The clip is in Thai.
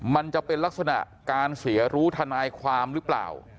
มันจะเป็นลักษณะการเสียรู้ทนายความหรือเปล่า